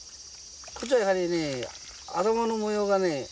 こっちはやはりね頭の模様がね